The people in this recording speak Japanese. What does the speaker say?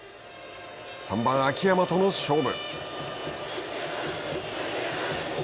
３番秋山との勝負。